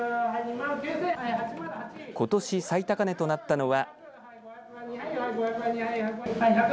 ことし最高値となったのは。